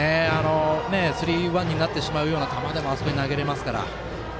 スリー、ワンになるような球でもあそこに投げれますから。